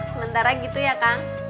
sementara gitu ya kang